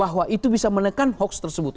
bahwa itu bisa menekan hoax tersebut